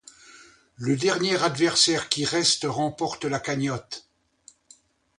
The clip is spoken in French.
Le dernier adversaire qui reste remporte la cagnotte.